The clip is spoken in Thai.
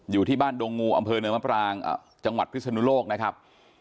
อยู่ที่บ้านดงงูอำเภอเนินมะปรางจังหวัดพิศนุโลกนะครับ